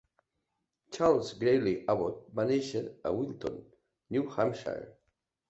Charles Greeley Abbot va néixer a Wilton, New Hampshire.